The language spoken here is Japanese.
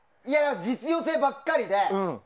実用性ばっかりで。